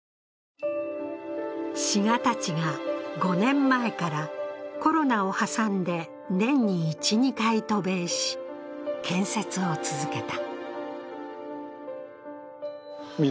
志賀たちが５年前からコロナを挟んで年に１２回渡米し、建設を続けた。